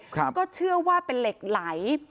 ก็เชื่อว่าเป็นเหล็กไหล